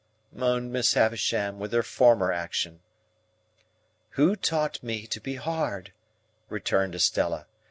moaned Miss Havisham, with her former action. "Who taught me to be hard?" returned Estella.